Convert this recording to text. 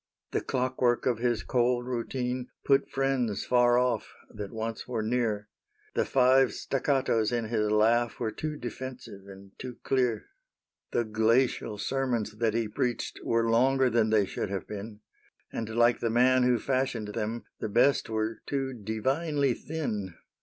> The clockwork of his cold routine Put friends far ofF that once were near ; The five staccatos in his laugh Were too defensive and too clear; The glacial sermons that he preached Were longer than they should have been ; And, like the man who fashioned them, The best were too divinely thin.